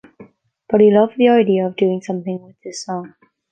But he loved the idea of doing something with this song.